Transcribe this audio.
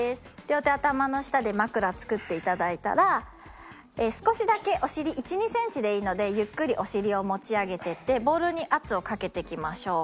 両手頭の下で枕作って頂いたら少しだけお尻１２センチでいいのでゆっくりお尻を持ち上げていってボールに圧をかけていきましょう。